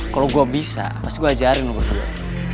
kalau gue bisa pasti gue ajarin lo berdua